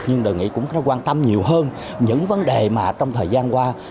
nhưng tôi nghĩ cũng phải quan tâm nhiều hơn những vấn đề mà trong thời gian qua